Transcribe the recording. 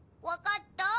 わかった？